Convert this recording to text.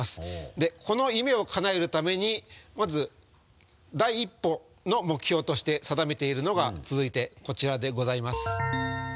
でこの夢をかなえるためにまず第一歩の目標として定めているのが続いてこちらでございます。